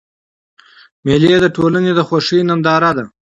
مېلې د ټولني د خوښۍ ننداره ده.